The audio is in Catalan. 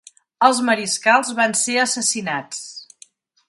Els mariscals van ser assassinats.